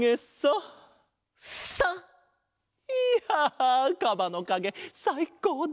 いやかばのかげさいこうだった！